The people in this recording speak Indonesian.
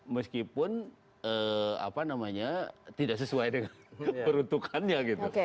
meskipun apa namanya tidak sesuai dengan peruntukannya gitu